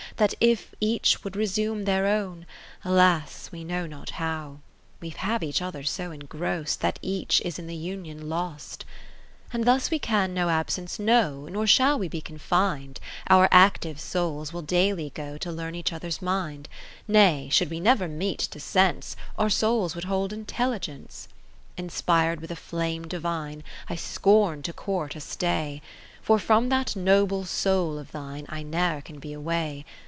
That if each would resume their own, Alas ! we know not how. We have each other so engrost, That each is in the union lost. 'To Mrs, M. A. at parting IV And thus we can no Absence know, Nor shall we be confin'd ; 20 Our active souls will daily go To learn each other's mind. Nay, should we never meet to Sense, Our souls would hold Intelligence. V Inspired with a flame divine^ I scorn to court a stay ; For from that noble soul of thine I ne'er can be away.